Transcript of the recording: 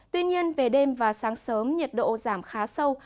tuy nhiên về đêm và sáng sớm nhiệt độ giảm khá sâu